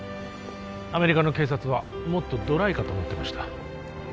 アメリカの警察はもっとドライかと思ってました